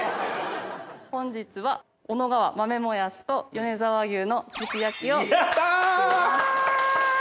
本日は小野川豆もやしと米沢牛のすき焼きを作ります。